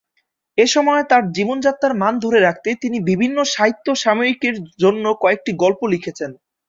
এই সময়ে তার জীবনযাত্রার মান ধরে রাখতে তিনি বিভিন্ন সাহিত্য সাময়িকীর জন্য কয়েকটি গল্প লিখেছেন।